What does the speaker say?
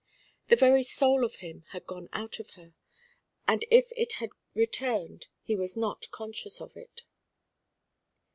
The very soul of him had gone out to her, and if it had returned he was not conscious of it.